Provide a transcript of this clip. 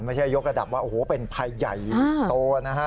ยกระดับว่าโอ้โหเป็นภัยใหญ่โตนะฮะ